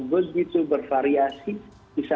begitu bervariasi bisa